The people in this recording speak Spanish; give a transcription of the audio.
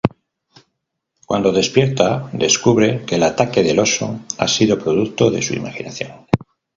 Cuando despierta, descubre que el ataque del oso ha sido producto de su imaginación.